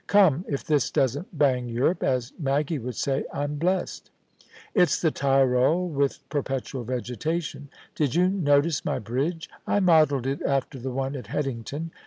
Come, if this doesn't bang Europe, as Maggie would say, I'm blest It's the Tyrol with perpetual vegetation. Did you notice my bridge ? I modelled it after the one at Headington.